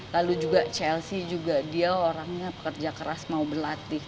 lalu juga chelsea juga dia orangnya pekerja keras mau berlatih